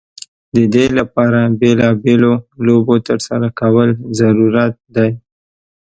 د دې لپاره بیلا بېلو لوبو ترسره کول ضرورت دی.